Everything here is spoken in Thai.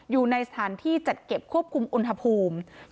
อยู่ในสถานที่จัดเก็บควบคุมอุณหภูมิ